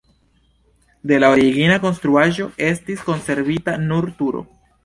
De la origina konstruaĵo estis konservita nur turo.